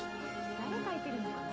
誰描いてるのかな？